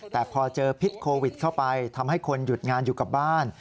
แต่พอเจอพิษโควิดเข้าไปทำให้คนหยุดงานอยู่กับบ้าน